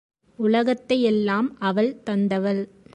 உலகத்தை எல்லாம் அவள் தந்தவள்.